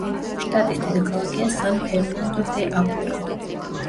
შტატის დედაქალაქია სან-ფერნანდო-დე-აპურე.